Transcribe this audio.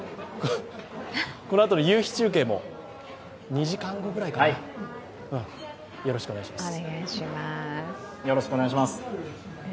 このあとの夕日中継も２時間後くらいかな、よろしくお願いします。